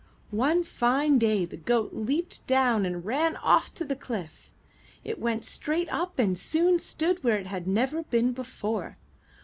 One fine day the goat leaped down and ran off to the cliff; it went straight up and soon stood where it had never been before.